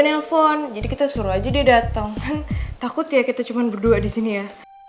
nelfon jadi kita suruh aja dia datang kan takut ya kita cuman berdua di sini ya